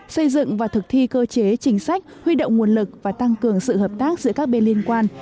xây dựng và thực thi cơ chế chính sách huy động nguồn lực và tăng cường sự hợp tác giữa các bên liên quan